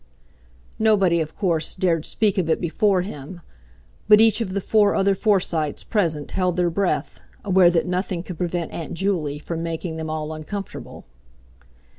Nobody, of course, dared speak of it before him, but each of the four other Forsytes present held their breath, aware that nothing could prevent Aunt Juley from making them all uncomfortable.